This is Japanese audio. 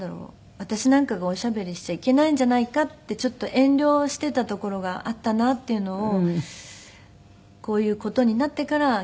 私なんかがおしゃべりしちゃいけないんじゃないかってちょっと遠慮していたところがあったなっていうのをこういう事になってから。